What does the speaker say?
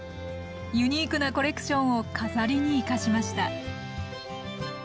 ユニークなコレクションを飾りに生かしました